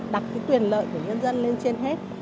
đặt cái quyền lợi của nhân dân lên trên hết